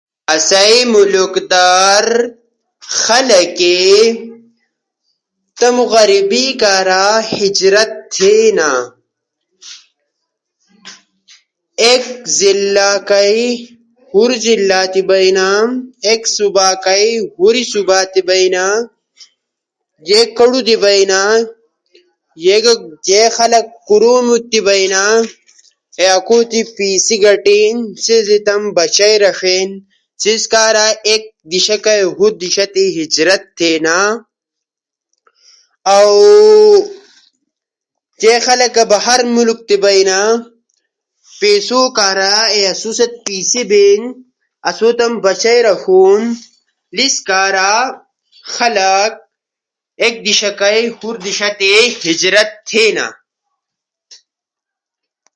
اسی مولکدر خالقیہ عدمو حیجرت تیہن سی غیرب وجدی حور دیشت بین